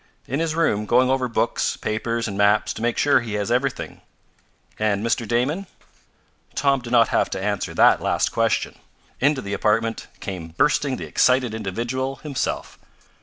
"In his room, going over books, papers and maps to make sure he has everything." "And Mr. Damon?" Tom did not have to answer that last question. Into the apartment came bursting the excited individual himself.